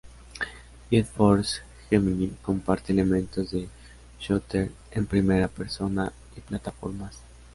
Jet Force Gemini comparte elementos de shooters en primera persona y plataformas.